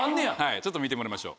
ちょっと見てもらいましょう。